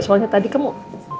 soalnya tadi kemuk